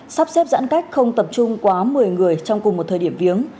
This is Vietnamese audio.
sắp xếp giãn cách không tập trung quá một mươi người trong cùng một thời điểm viếng